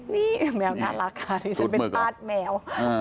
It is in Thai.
นี่แมวน่ารักค่ะดิฉันเป็นป้าแมว